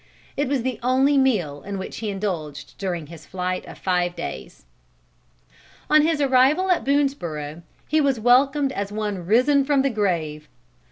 It was the only meal in which he indulged during his flight of five days. On his arrival at Boonesborough, he was welcomed as one risen from the grave.